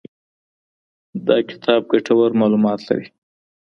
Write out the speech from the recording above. دا کتاب ګټور معلومات لري.